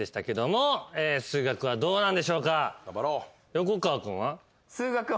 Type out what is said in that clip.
横川君は？